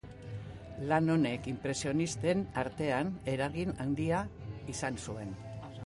Lan honek inpresionisten artean eragin handia izan zuen.